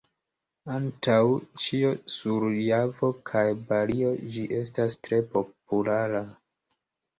Antaŭ ĉio sur Javo kaj Balio ĝi estas tre populara.